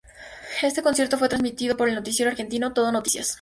Este concierto fue transmitido por el noticiero argentino Todo Noticias.